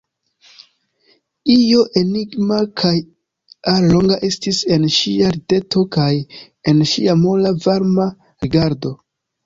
Io enigma kaj alloga estis en ŝia rideto kaj en ŝia mola varma rigardo.